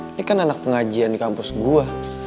ini kan anak pengajian di kampus gue